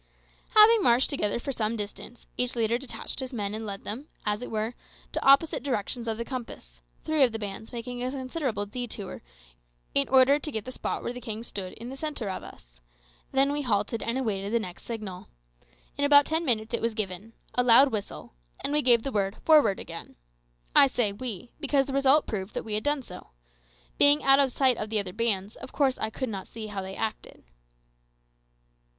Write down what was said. Having marched together for some distance, each leader detached his men and led them, as it were, to opposite directions of the compass, three of the bands making a considerable detour, in order to get the spot where the king stood in the centre of us. Then we halted and awaited the next signal. In about ten minutes it was given a loud whistle and we gave the word "Forward" again. I say "we," because the result proved that we had done so. Being out of sight of the other bands, of course I could not see how they acted.